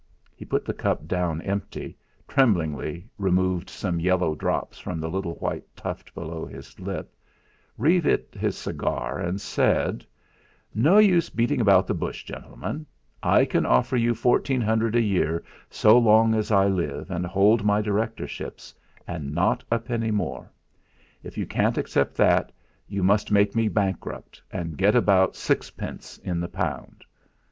He put the cup down empty, tremblingly removed some yellow drops from the little white tuft below his lip, refit his cigar, and said: "No use beating about the bush, gentlemen; I can offer you fourteen hundred a year so long as I live and hold my directorships, and not a penny more. If you can't accept that, you must make me bankrupt and get about sixpence in the pound.